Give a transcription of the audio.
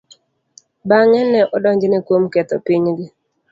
Bang'e, ne odonjne kuom ketho pinygi.